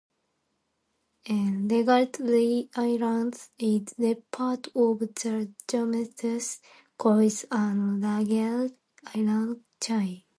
Ragged Island is part of the Jumentos Cays and Ragged Island Chain.